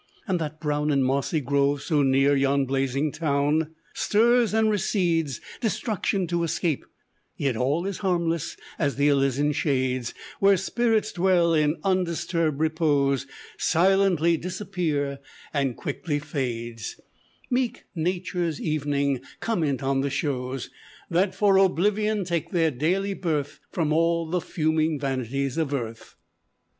and that brown And mossy grove, so near yon blazing town, Stirs and recedes destruction to escape, Yet all is harmless as the Elysian shades Where spirits dwell in undisturbed repose, Silently disappear and quickly fades, Meek Nature's evening comment on the shows That for oblivion take their daily birth From all the fuming vanities of Earth."